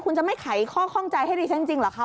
คุณจะไม่ไขข้อข้องใจให้ดิฉันจริงเหรอคะ